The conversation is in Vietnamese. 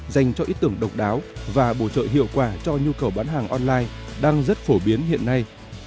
dành cho ý tưởng độc đáo và bổ trợ hiệu quả cho nhu cầu bán hàng online đang rất phổ biến hiện nay